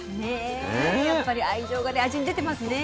やっぱり愛情がね味に出てますね。